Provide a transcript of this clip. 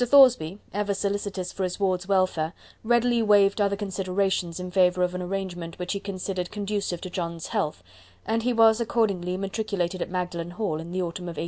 Thoresby, ever solicitous for his ward's welfare, readily waived other considerations in favour of an arrangement which he considered conducive to John's health, and he was accordingly matriculated at Magdalen Hall in the autumn of 1839.